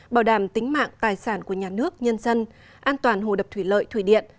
bảo đảm tính mạng tài sản của nhà nước nhân dân an toàn hồ đập thủy lợi thủy điện